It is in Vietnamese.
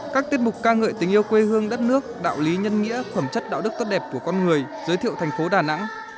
các tiết mục ca ngợi tình yêu quê hương đất nước đạo lý nhân nghĩa khẩm chất đạo đức tốt đẹp của con người giới thiệu thành phố đà nẵng